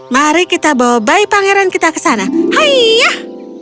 mari kita bawa bayi pangeran kita ke sana hayah